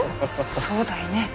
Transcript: そうだいね。